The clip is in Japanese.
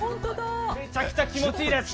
めちゃくちゃ気持ちいいです。